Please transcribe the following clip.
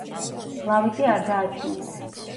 ლავიწი არ გააჩნიათ.